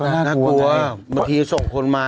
น่ากลัวบางทีส่งคนมา